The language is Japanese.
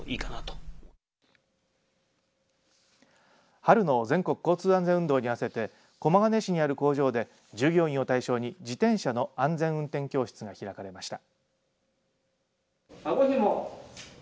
春の全国交通安全運動に合わせて駒ヶ根市にある工場で従業員を対象に自転車の安全運転教室が開かれました。